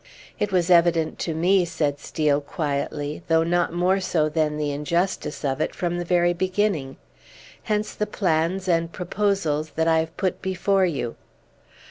"It was evident to me," said Steel, quietly, "though not more so than the injustice of it, from the very beginning. Hence the plans and proposals that I have put before you."